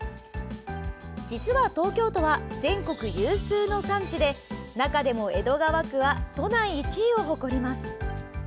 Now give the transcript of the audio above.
実は、東京都は全国有数の産地で中でも江戸川区は都内１位を誇ります。